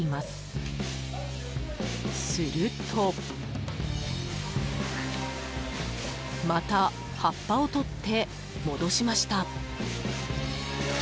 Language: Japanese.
すると、また葉っぱを取って戻しました。